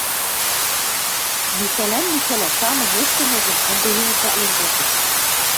Михӓлӓн Михӓлӓ «самынь» ӹштӹмӹжӹм ӹнде ижӹ цаклен колтыш.